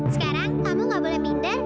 sekarang kamu gak boleh minder